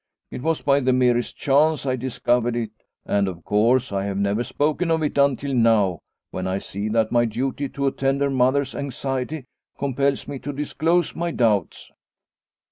It was by the merest chance I discovered it, and, of course, I have never spoken of it until now, when I see that my duty to a tender mother's anxiety compels me to disclose my doubts."